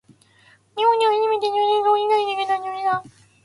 日本で初めて、女性総理大臣が誕生した。